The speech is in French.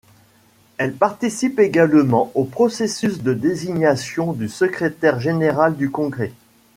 Elle participe également au processus de désignation du Secrétaire général du Congrès.